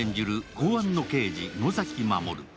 公安の刑事・野崎守。